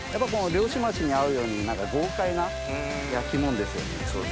漁師町に合うように豪快な焼き物ですよね。